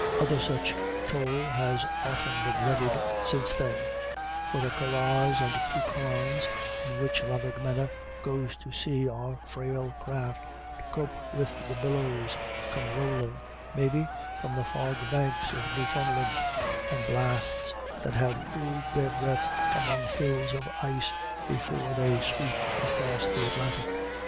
Other such toll has often been levied since then; for the curraghs and pookawns in which Laraghmena goes to sea are frail craft to cope with the billows come rolling, maybe, from the fogbanks of Newfoundland, and blasts that have cooled their breath among hills of ice before they sweep across the Atlantic.